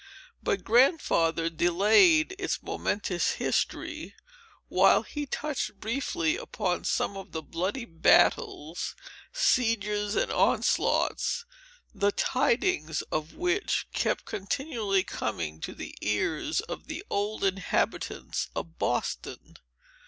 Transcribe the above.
But Grandfather delayed its momentous history, while he touched briefly upon some of the bloody battles, sieges, and onslaughts, the tidings of which kept continually coming to the ears of the old inhabitants of Boston.